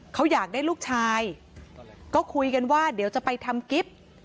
เขาอยากได้ลูกชายก็คุยกันว่าเดี๋ยวจะไปทำกิฟต์